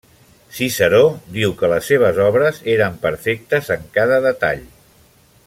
Ciceró diu que les seves obres eren perfectes en cada detall.